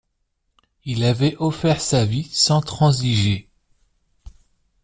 Il avait offert sa vie sans transiger.